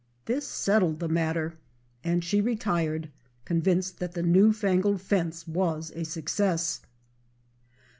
This settled the matter, and she retired, convinced that the new fangled fence was a success.